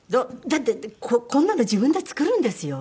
だってこんなのを自分で作るんですよ？